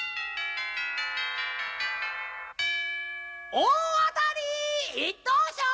大当たりー！